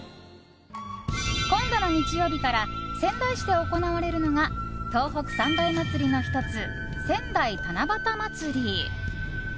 今度の日曜日から仙台市で行われるのが東北三大祭りの１つ仙台七夕まつり。